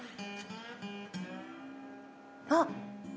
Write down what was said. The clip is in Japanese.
あっ！